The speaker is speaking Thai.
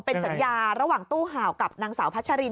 เป็นสัญญาระหว่างตู้ห่าวกับนางสาวพัชริน